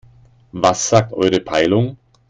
Was sagt eure Peilung?